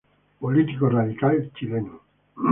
Político radical chileno.